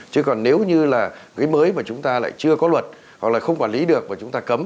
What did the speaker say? chứ còn nếu như là cái mới mà chúng ta lại chưa có luật hoặc là không quản lý được mà chúng ta cấm